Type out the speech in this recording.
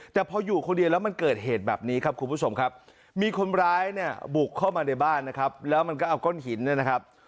แต่พออยู่คนเดียวแล้วมันเกิดเหตุแบบนี้ครับคุณผู้ชมครับมีคนร้ายเนี่ยบุกเข้ามาในบ้านนะครับแล้วมันก็เอาก้อนหินเนี่ยนะครับ